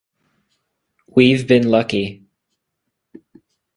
We've been lucky.